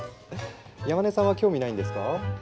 山根さんは興味ないんですか？